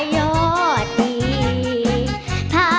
เพลงเก่งของคุณครับ